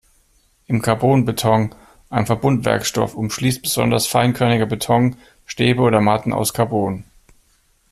Im Carbonbeton, einem Verbundwerkstoff, umschließt besonders feinkörniger Beton Stäbe oder Matten aus Carbon.